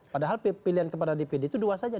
padahal pilihan kepada dpd itu dua saja